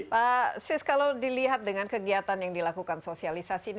pak sis kalau dilihat dengan kegiatan yang dilakukan sosialisasi ini